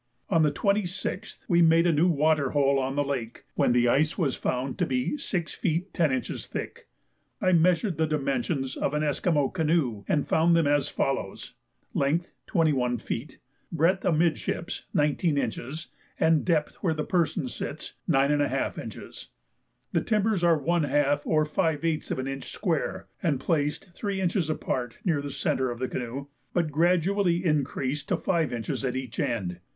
On the 26th we made a new water hole on the lake, when the ice was found to be 6 feet 10 inches thick. I measured the dimensions of an Esquimaux canoe, and found them as follows: length 21 feet, breadth amidships 19 inches, and depth where the person sits 9½ inches. The timbers are one half or five eighths of an inch square, and placed three inches apart near the centre of the canoe, but gradually increased to five inches at each end.